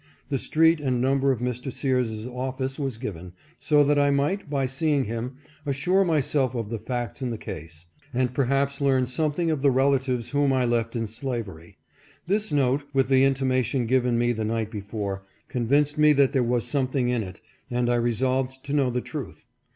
The street and number of Mr. Sears's 478 MR. SEARS. office was given, so that I might, by seeing him, assure myself of the facts in the case, and perhaps learn some thing of the relatives whom I left in slavery. This note, with the intimation given me the night before, convinced me there was something in it, and I resolved to know the truth.